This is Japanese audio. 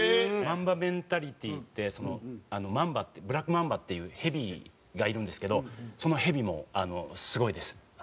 マンバメンタリティってそのマンバっていうブラックマンバっていうヘビがいるんですけどそのヘビもあの。